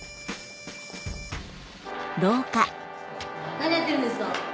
・何やってるんですか？